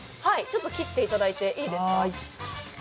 切っていただいていいですか？